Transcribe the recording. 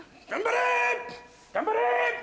頑張れ！